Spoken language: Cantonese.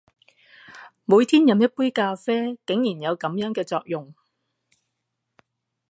每天飲一杯咖啡，竟然有噉樣嘅作用！